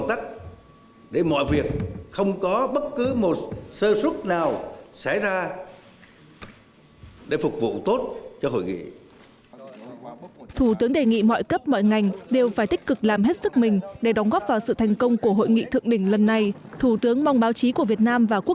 đã tích cực chuẩn bị cho hội nghị thủ tướng hoan nghênh các bộ ngành cơ quan liên quan các địa phương công ty đơn vị được giao nhiệm vụ